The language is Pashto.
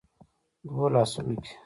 دوو لاسونو کې